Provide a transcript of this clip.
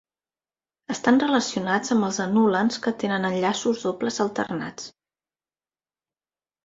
Estan relacionats amb els anulens que tenen enllaços dobles alternats.